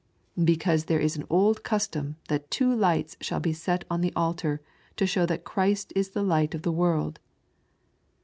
"Because there is an old custom that two lights shall be set on the altar to show that Christ is the Light of the World."